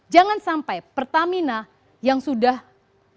jangan sampai pertamina yang sudah siap